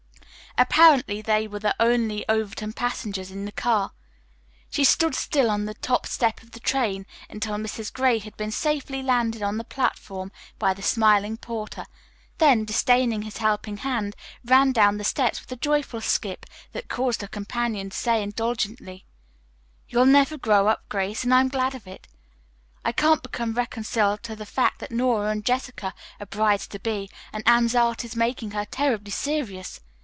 Apparently they were the only Overton passengers in that car. She stood still on the top step of the train until Mrs. Gray had been safely landed on the platform by the smiling porter, then, disdaining his helping hand, ran down the steps with a joyful skip that caused her companion to say indulgently, "You'll never grow up, Grace, and I'm glad of it. I can't become reconciled to the fact that Nora and Jessica are brides to be and that Anne's art is making her terribly serious.